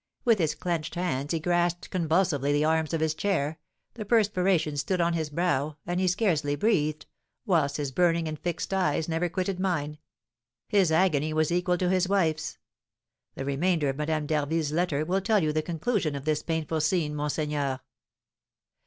With his clenched hands he grasped convulsively the arms of his chair, the perspiration stood on his brow, and he scarcely breathed, whilst his burning and fixed eyes never quitted mine; his agony was equal to his wife's. The remainder of Madame d'Harville's letter will tell you the conclusion of this painful scene, monseigneur."